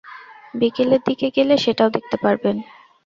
বিকেলের দিকে গেলে সেটাও দেখতে পারবেন।